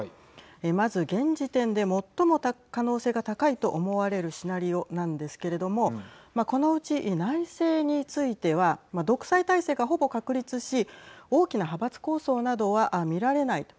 まず現時点で最も可能性が高いと思われるシナリオなんですけれどもこのうち内政については独裁体制が、ほぼ確立し大きな派閥抗争などは見られないと。